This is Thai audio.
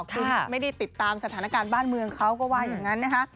คือไม่ได้ติดตามสถานการณ์บ้านเมืองเขาก็ว่าอย่างนั้นนะคะ